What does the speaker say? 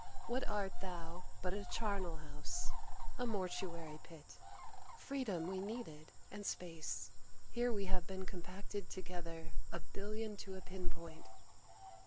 What art thou but a charnel house, a mortuary pit? Freedom we needed, and space: here we have been compacted together, a billion to a pin point!